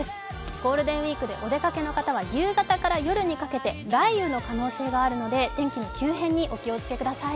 ゴールデンウイークでお出かけの方は夕方から夜にかけて雷雨の可能性があるので天気の急変にお気をつけください。